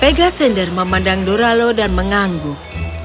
megasinder memandang doralo dan mengangguk